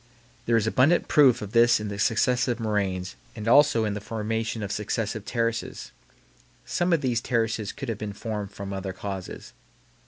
There is abundant proof of this in the successive moraines and also in the formation of successive terraces. Some of these terraces could have been formed from other causes.